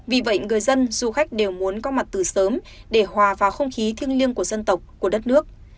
vì vậy người dân du khách đều muốn có mặt từ sớm để hòa vào không khí thiêng liêng của dân tộc của đất nước